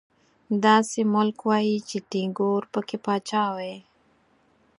داسې ملک وای چې ټيګور پکې پاچا وای